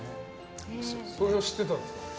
それは知ってたんですか？